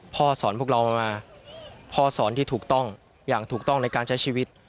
สอนพวกเรามาพ่อสอนที่ถูกต้องอย่างถูกต้องในการใช้ชีวิต